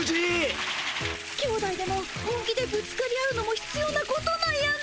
兄弟でも本気でぶつかり合うのもひつようなことなんやね。